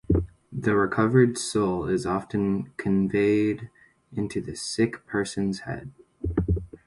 The recovered soul is often conveyed into the sick person's head.